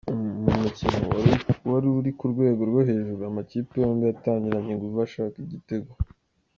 Mu mukino wari uri ku rwego rwo hejuru, amakipe yombi yatangiranye inguvu ashaka igitego.